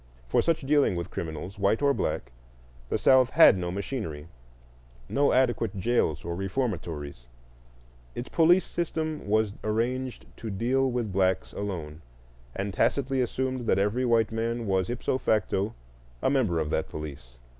For such dealing with criminals, white or black, the South had no machinery, no adequate jails or reformatories; its police system was arranged to deal with blacks alone, and tacitly assumed that every white man was ipso facto a member of that police.